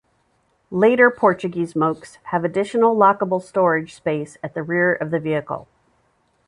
Later Portuguese Mokes have additional lockable storage space at the rear of the vehicle.